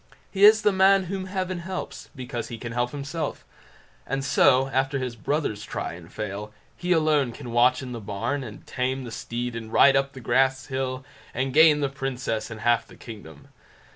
He is the man whom Heaven helps, because he can help himself; and so, after his brothers try and fail, he alone can watch in the barn, and tame the steed, and ride up the glass hill, and gain the Princess and half the kingdom.